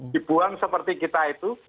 dibuang seperti kita itu